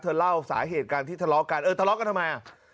หลายเหตุการณ์ที่ทะเลาะกันเออทะเลาะกันทำไม